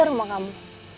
itu rumah kamu